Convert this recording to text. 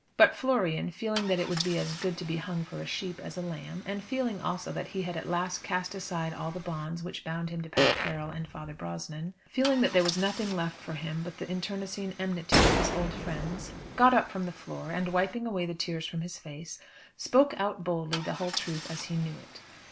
But Florian feeling that it would be as good to be hung for a sheep as a lamb, and feeling also that he had at last cast aside all the bonds which bound him to Pat Carroll and Father Brosnan, feeling that there was nothing left for him but the internecine enmity of his old friends, got up from the floor, and wiping away the tears from his face, spoke out boldly the whole truth as he knew it.